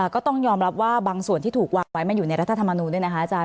ก็ต้องยอมรับว่าบางส่วนที่ถูกวางไว้มันอยู่ในรัฐธรรมนูลด้วยนะคะอาจาร